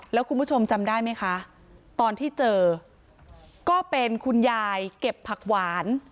แล้วคุณผู้ชมจำได้ไหมคะตอนที่เจอก็เป็นคุณยายเก็บผักหวาน